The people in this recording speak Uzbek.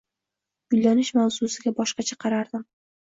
Uylanish mavzusiga boshqacha qarardim